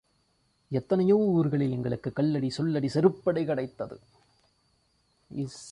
எத்தனையோ ஊர்களில் எங்களுக்கு கல்லடி, சொல்லடி, செருப்படி கிடைத்தது.